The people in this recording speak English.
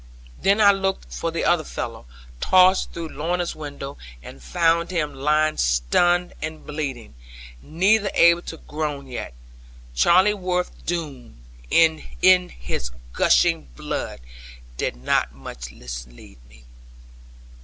Then I looked for the other fellow, tossed through Lorna's window, and found him lying stunned and bleeding, neither able to groan yet. Charleworth Doone, if his gushing blood did not much mislead me.